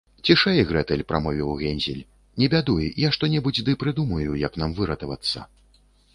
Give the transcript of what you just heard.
- Цішэй, Грэтэль, - прамовіў Гензель, - не бядуй, я што-небудзь ды прыдумаю, як нам выратавацца